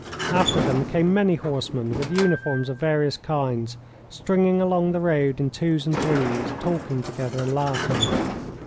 After them came many horsemen with uniforms of various kinds, stringing along the roads in twos and threes, talking together and laughing.